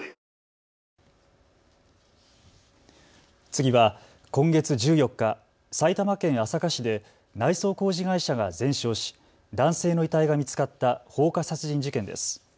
次は今月１４日、埼玉県朝霞市で内装工事会社が全焼し男性の遺体が見つかった放火殺人事件です。